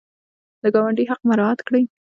د ګاونډي حق مراعات کړئ